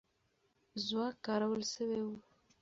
ځواک کارول سوی وو.